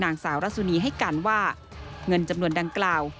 นางสาวรัสสุนีให้การว่าเงินจำนวนดังกล่าว